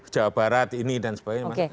jawa barat ini dan sebagainya